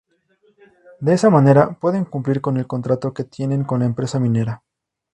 De esa manera pueden cumplir con el contrato que tienen con la empresa minera.